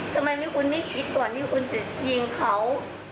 ทำไมคุณไม่คิดก่อนที่คุณจะยิงเขา